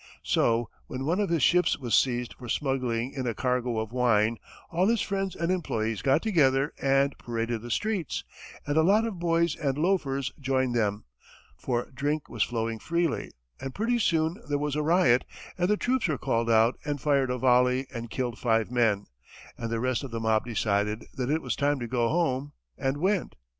So when one of his ships was seized for smuggling in a cargo of wine, all his friends and employees got together and paraded the streets, and a lot of boys and loafers joined them, for drink was flowing freely, and pretty soon there was a riot, and the troops were called out and fired a volley and killed five men, and the rest of the mob decided that it was time to go home, and went.